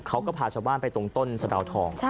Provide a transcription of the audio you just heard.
เขาก็พาชาวบ้านไปตรงต้นสะดาวทอง